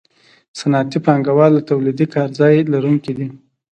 صنعتي پانګوال د تولیدي کارځای لرونکي دي